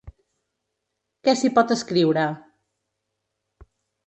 Què s’hi pot escriure?